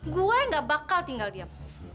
gue gak bakal tinggal diam